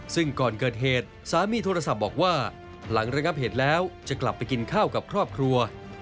ซึ่งก่อนเกิดเหตุสามีโทรศัพท์บอกว่าหลังระงับเหตุแล้วจะกลับไปกินข้าวกับครอบครัว